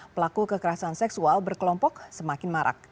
pelaku kekerasan seksual berkelompok semakin marak